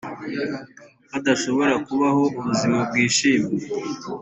badashobora kubaho ubuzima bwishimye